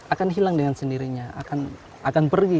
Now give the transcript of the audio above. akan hilang dengan sendirinya akan pergi